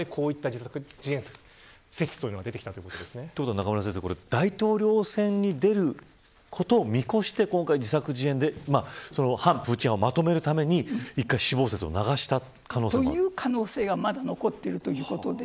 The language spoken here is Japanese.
中村先生、これは大統領選に出ることを見越して、今回自作自演で反プーチン派をまとめるために１回死亡説を流した可能性も。という可能性がまだ残っているということで。